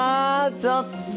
ちょっと！